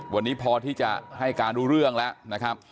วันนี้พอที่จะให้การรู้เรื่องแล้วนะครับ